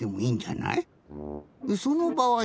そのばあい